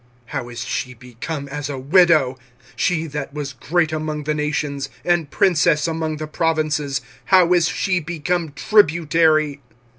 how is she become as a widow! she that was great among the nations, and princess among the provinces, how is she become tributary!